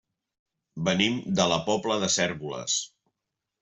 Venim de la Pobla de Cérvoles.